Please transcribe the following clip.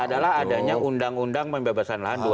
adalah adanya undang undang pembebasan lahan dua ribu tiga belas